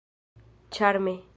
ĉarme